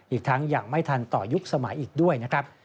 อีกทั้งยังไม่ทันต่อยุคสมัยอีกด้วยนะครับ